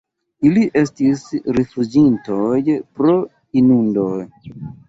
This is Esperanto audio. Ili estis rifuĝintoj pro inundo.